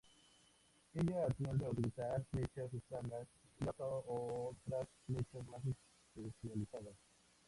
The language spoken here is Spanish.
Ella tiende a utilizar flechas estándar y ha usado otras flechas más especializadas.